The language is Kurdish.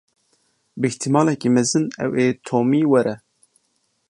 Bi îhtîmaleke mezin ew ê Tomî were.